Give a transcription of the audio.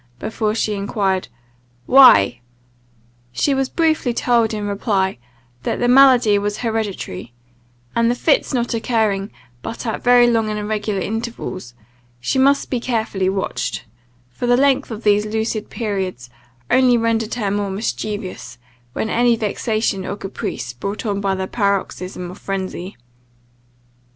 before she enquired "Why?" She was briefly told, in reply, that the malady was hereditary, and the fits not occurring but at very long and irregular intervals, she must be carefully watched; for the length of these lucid periods only rendered her more mischievous, when any vexation or caprice brought on the paroxysm of phrensy.